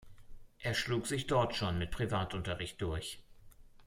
Er schlug sich dort schon mit Privatunterricht durch.